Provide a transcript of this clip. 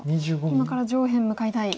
今から上辺向かいたい。